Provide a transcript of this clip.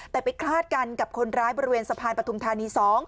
แต่ไปคลาดกันกับคนร้ายบริเวณสะพานปฐุมธานี๒